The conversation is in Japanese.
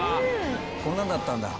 「こんなんだったんだ」